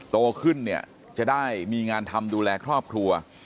โตขึ้นเนี่ยจะได้มีงานทำดูแลครอบครัว